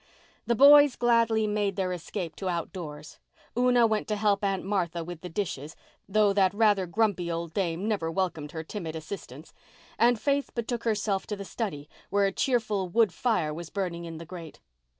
The boys gladly made their escape to outdoors, Una went to help Aunt Martha with the dishes—though that rather grumpy old dame never welcomed her timid assistance—and Faith betook herself to the study where a cheerful wood fire was burning in the grate.